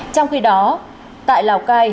trong khi đó tại lào cai